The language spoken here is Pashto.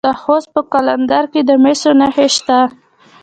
د خوست په قلندر کې د مسو نښې شته.